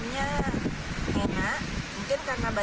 mungkin karena banyak campuran rempah rempah